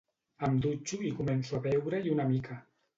Em dutxo i començo a veure-hi una mica.